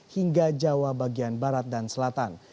hingga jawa bagian barat dan selatan